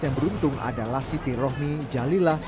yang beruntung adalah siti rohmi jalila